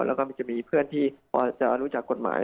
แล้วก็มีเบนที่จะรู้จักกฎหมาย